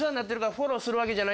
フォローする訳じゃない。